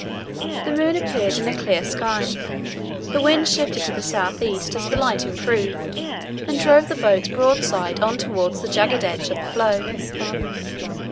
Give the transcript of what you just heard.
The moon appeared in a clear sky. The wind shifted to the south east as the light improved and drove the boats broadside on towards the jagged edge of the floe.